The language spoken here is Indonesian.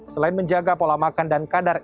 selain menjaga pola makan dan kadar